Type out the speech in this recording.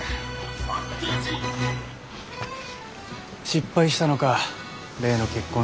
失敗したのか例の結婚